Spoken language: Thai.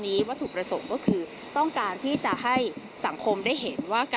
ไม่ได้ต้องการให้ติดคุ้งติดตราง